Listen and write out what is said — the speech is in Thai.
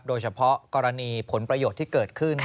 โดยเฉพาะกรณีผลประโยชน์ที่เกิดขึ้น